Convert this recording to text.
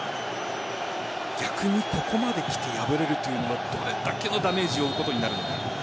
逆にここまできて敗れるというのもどれだけのダメージを負うことになるのか。